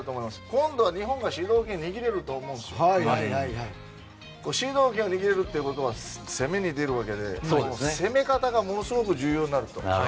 今度は日本が主導権を握れると思うし主導権を握れるということは攻めに出るわけで攻め方がすごく重要になると。